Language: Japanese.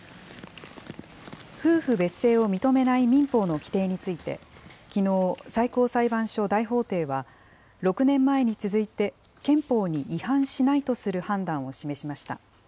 夫婦別姓を認めない民法の規定について、きのう、最高裁判所大法廷は、６年前に続いて、憲法に違反しないとする判断を示しました。